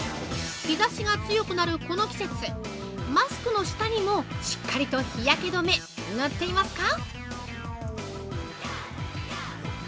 日差しが強くなるこの季節マスクの下にも、しっかりと日焼け止め、塗っていますか？